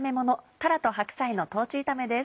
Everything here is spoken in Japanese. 「たらと白菜の豆炒め」です。